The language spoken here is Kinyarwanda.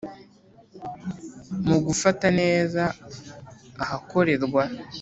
Mu gufata neza ahakorerwa